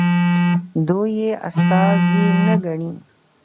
دوی یې استازي نه ګڼي.